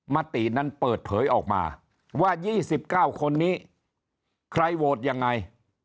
มตินั้นเปิดเผยออกมาว่า๒๙คนนี้ใครโหวตยังไง